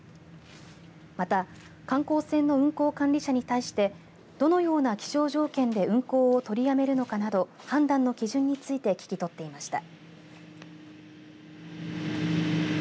また、観光船の運航管理者に対してどのような気象条件で運航を取りやめるかなど判断の基準について聞き取っていました。